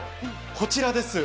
こちらです。